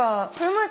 はい。